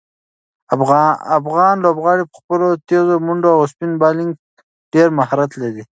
افغان لوبغاړي په خپلو تېزو منډو او سپین بالنګ کې ډېر مهارت لري.